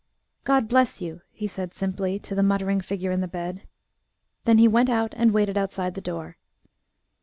"God bless you!" he said simply, to the muttering figure in the bed. Then he went out, and waited outside the door.